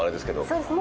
そうです。